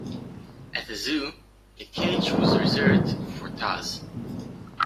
At a zoo, a cage was reserved for Taz.